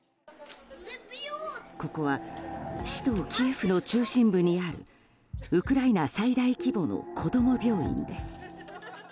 ここは首都キエフの中心部にあるウクライナ最大規模の子供病院です。